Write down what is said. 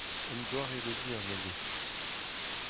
Un doare-ober nevez.